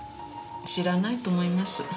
知らないと思います。